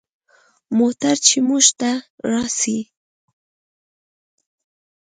موټر چې موږ ته راسي.